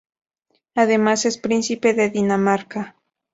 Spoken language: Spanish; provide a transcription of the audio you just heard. Además es príncipe de Dinamarca.